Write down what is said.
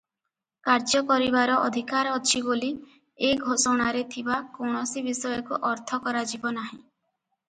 କାର୍ଯ୍ୟ କରିବାର ଅଧିକାର ଅଛି ବୋଲି ଏ ଘୋଷଣାରେ ଥିବା କୌଣସି ବିଷୟକୁ ଅର୍ଥ କରାଯିବ ନାହିଁ ।